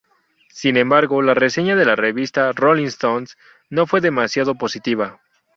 Sin embargo, la reseña de la revista "Rolling Stone" no fue demasiado positiva.